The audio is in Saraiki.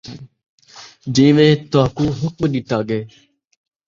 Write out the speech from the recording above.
جیویں تُہاکوں حکم ݙِتا ڳئے ۔